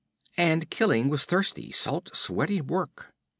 And killing was thirsty, salt sweaty work.